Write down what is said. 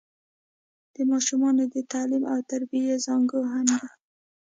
د ماشوم د تعليم او تربيې زانګو هم ده.